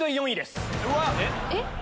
えっ？